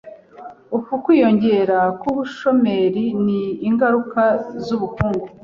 Uku kwiyongera k'ubushomeri ni ingaruka z'ubukungu.